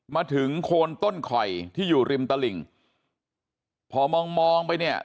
มาถึงโคนต้นคอยที่อยู่ริมตลิ่งพอมองมองไปเนี่ย